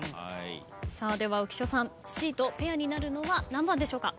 では浮所さんＣとペアになるのは何番でしょうか？